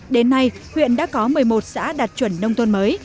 đến nay huyện đã có một mươi một xã đạt chuẩn nông thôn mới